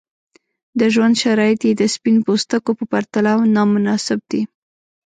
د ژوند شرایط یې د سپین پوستکو په پرتله نامناسب دي.